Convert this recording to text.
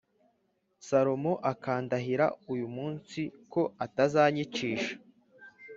Salomo akandahira uyu munsi ko atazanyicisha